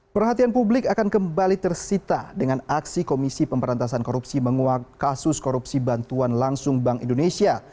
perhatian publik akan kembali tersita dengan aksi komisi pemberantasan korupsi menguak kasus korupsi bantuan langsung bank indonesia